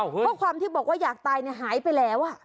ข้อความที่บอกว่าอยากตายหายไปแล้ว